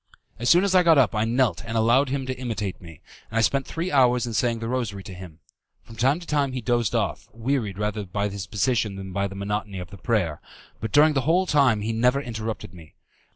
As soon as I got up I knelt and allowed him to imitate me, and I spent three hours in saying the rosary to him. From time to time he dozed off, wearied rather by his position than by the monotony of the prayer, but during the whole time he never interrupted me.